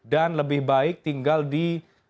dan lebih baik tinggal di